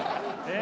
え？